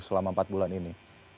selama empat bulan ini